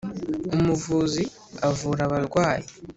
Umuvuzi avura abarwayi .